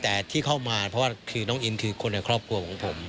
แต่ที่เข้ามาเพราะว่าคือน้องอินคือคนในครอบครัวของผม